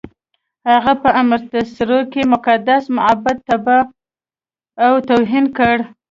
هغه په امرتسر کې مقدس معبد تباه او توهین کړ.